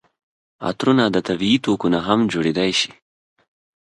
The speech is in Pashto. عطرونه د طبیعي توکو نه هم جوړیدای شي.